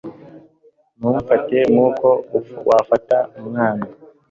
ntumfate nkuko wafata umwana